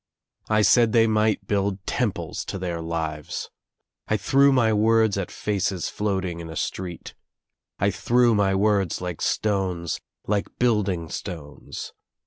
I said they might build temples to their lives. I threw my words at faces floating in a street, I threw my words like stones, like building stones.